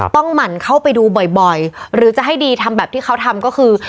หมั่นเข้าไปดูบ่อยหรือจะให้ดีทำแบบที่เขาทำก็คือ